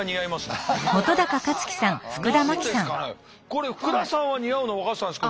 これ福田さんは似合うの分かってたんですけど。